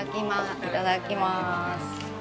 いただきます。